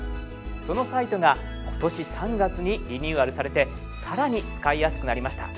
そのサイトが今年３月にリニューアルされて更に使いやすくなりました。